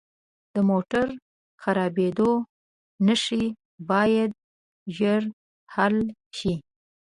د موټر خرابیدو نښې باید ژر حل شي.